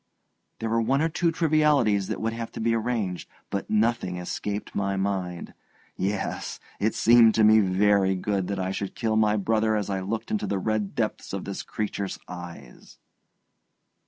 There were one or two trivialities that would have to be arranged, but nothing escaped my mind. Yes, it seemed to me very good that I should kill my brother as I looked into the red depths of this creature's eyes.